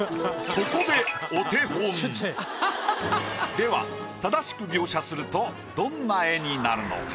ここでお手本。では正しく描写するとどんな絵になるのか？